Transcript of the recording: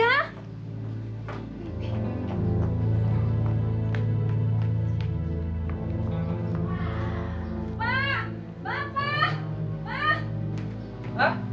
bapak bapak bapak